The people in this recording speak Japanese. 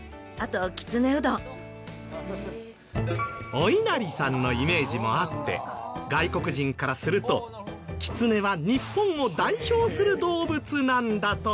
お稲荷さんのイメージもあって外国人からするとキツネは日本を代表する動物なんだとか。